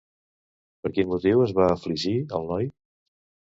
Per quin motiu es va afligir, el noi?